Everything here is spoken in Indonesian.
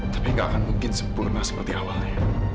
tapi nggak akan mungkin sempurna seperti awalnya